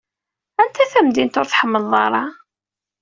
Anta tamdint ur tḥemmleḍ ara?